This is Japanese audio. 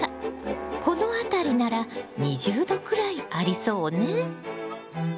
この辺りなら２０℃くらいありそうね。